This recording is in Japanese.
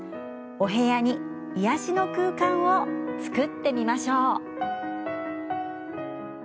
お部屋に癒やしの空間を作ってみましょう。